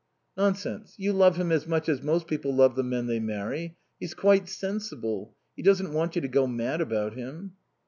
"Nonsense; you love him as much as most people love the men they marry. He's quite sensible. He doesn't want you to go mad about him."